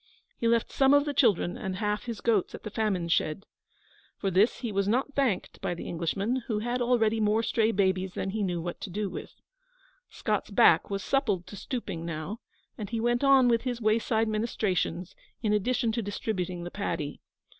He left some of the children and half his goats at the famine shed. For this he was not thanked by the Englishman, who had already more stray babies than he knew what to do with. Scott's back was suppled to stooping now, and he went on with his wayside ministrations in addition to distributing the paddy.